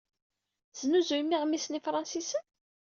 Tesnuzuyem iɣmisen ifṛensisen?